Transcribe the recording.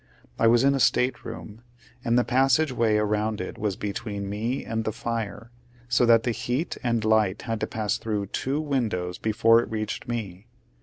I was in a stateroom, and the passageway around it was between me and the fire, so that the heat and light had to pass through two windows before it reached me.